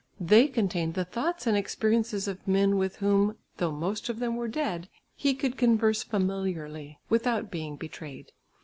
They contained the thoughts and experiences of men with whom, though most of them were dead, he could converse familiarly, without being betrayed.